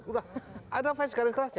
udah ada fans sekarang kerasnya